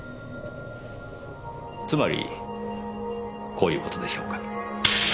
つまりこういう事でしょうか。